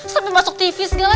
sampai masuk tv segala